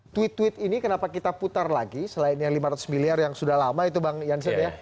tweet tweet ini kenapa kita putar lagi selain yang lima ratus miliar yang sudah lama itu bang jansen ya